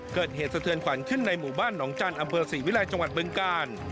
เกิดเหตุสะเทือนขวัญขึ้นในหมู่บ้านหนองจันทร์อำเภอศรีวิลัยจังหวัดบึงกาล